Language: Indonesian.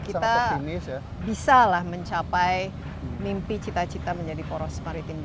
kita bisa lah mencapai mimpi cita cita menjadi poros maritim baru